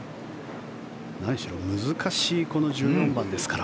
何しろ難しいこの１４番ですから。